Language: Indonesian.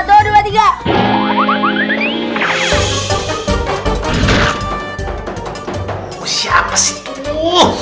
oh siapa sih itu